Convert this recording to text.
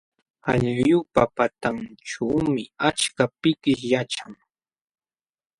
Allqupa patanćhuumi achka pikish yaćhan.